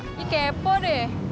ini kepo deh